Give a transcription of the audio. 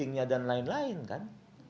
pentingnya dan lain lain kan